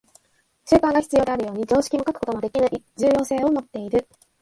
習慣が必要であるように、常識も欠くことのできぬ重要性をもっている。